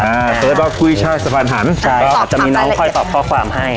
อ่าเฟซบุ๊กกุ้ยช่ายสะพานหันใช่ตอบคำจะมีน้องค่อยตอบข้อความให้